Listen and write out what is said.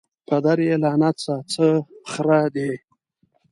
پدر یې لعنت سه څه خره دي